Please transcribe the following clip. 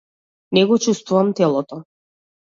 Не го чуствувам телото.